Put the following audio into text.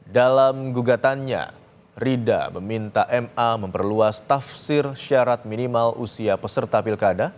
dalam gugatannya rida meminta ma memperluas tafsir syarat minimal usia peserta pilkada